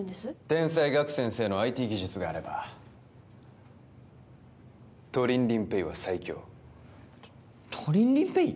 天才ガク先生のＩＴ技術があればトリンリンＰａｙは最強トリンリンＰａｙ？